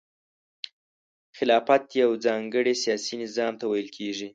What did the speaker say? خلافت یو ځانګړي سیاسي نظام ته ویل کیږي.